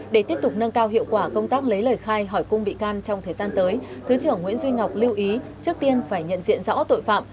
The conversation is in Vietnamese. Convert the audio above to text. để tiếp tục nâng cao hiệu quả công tác lấy lời khai hỏi cung bị can trong thời gian tới thứ trưởng nguyễn duy ngọc lưu ý trước tiên phải nhận diện rõ tội phạm